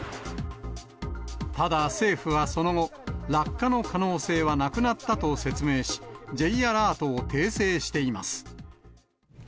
ただ、政府はその後、落下の可能性はなくなったと説明し、Ｊアラートを訂正しています。